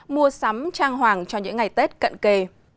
mua sắm trang hoàng cho những ngày tết cận kề